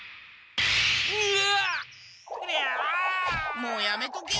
もうやめとけよ。